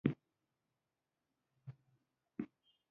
• دا کار د ښارونو د ودې لامل شو.